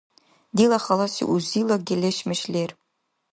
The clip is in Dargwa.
Дила халаси узила гелешмеш лер